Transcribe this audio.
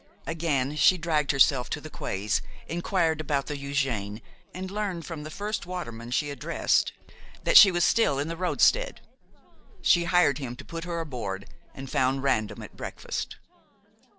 Again she dragged herself to the quays, inquired about the Eugène and learned from the first waterman she addressed that she was still in the roadstead. She hired him to put her aboard and found Random at breakfast.